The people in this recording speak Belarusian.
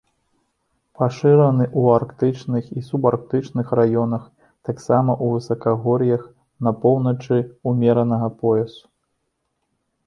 Пашыраны ў арктычных і субарктычных раёнах, таксама ў высакагор'ях на поўначы ўмеранага пояса.